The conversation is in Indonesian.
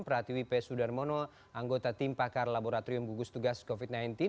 pratiwi p sudarmono anggota tim pakar laboratorium gugus tugas covid sembilan belas